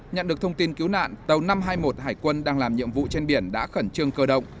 nhận được thông tin cứu nạn tàu năm trăm hai mươi một hải quân đang làm nhiệm vụ trên biển đã khẩn trương cơ động